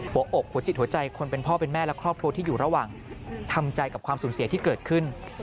หัวอกหัวจิตหัวใจคนเป็นพ่อเป็นแม่และครอบครัวที่อยู่ระหว่างทำใจกับความสูญเสียที่เกิดขึ้น